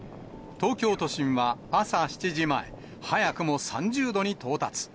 東京都心は朝７時前、早くも３０度に到達。